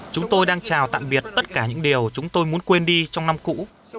chúng tôi đang chào tạm biệt tất cả những điều chúng tôi muốn quên đi trong năm cũ